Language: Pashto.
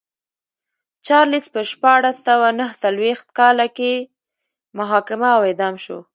چارلېز په شپاړس سوه نه څلوېښت کال کې محاکمه او اعدام شو.